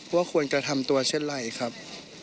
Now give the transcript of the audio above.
ว่าควรกระทำตัวเช่นไรครับ